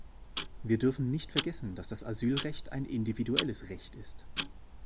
Wir dürfen nicht vergessen, dass das Asylrecht ein individuelles Recht ist.